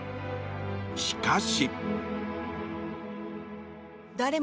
しかし。